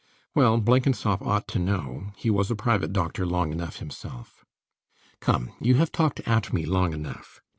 Well, Blenkinsop ought to know. He was a private doctor long enough himself. Come! you have talked at me long enough.